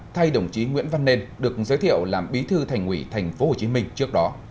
thay đồng chí nguyễn văn nên được giới thiệu làm bí thư thành ủy tp hcm trước đó